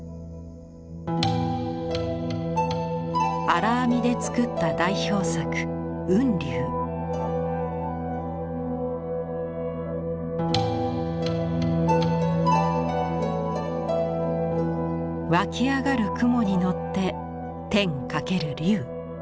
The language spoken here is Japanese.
「荒編み」で作った代表作湧き上がる雲にのって天かける龍。